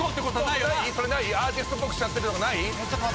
アーティストっぽくしちゃってるとかない？